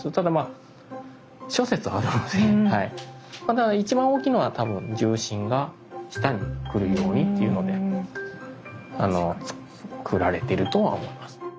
ただ一番大きいのは多分重心が下に来るようにっていうのであの作られてるとは思います。